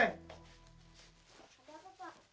ada apa pak